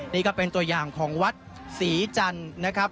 นี่ก็เป็นตัวอย่างของวัดศรีจันทร์นะครับ